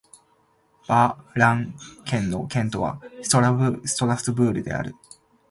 バ＝ラン県の県都はストラスブールである